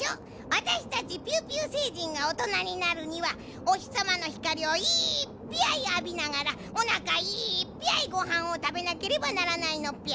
あたしたちピューピューせいじんがおとなになるにはおひさまのひかりをいっぴゃいあびながらおなかいっぴゃいごはんをたべなければならないのっぴゃ。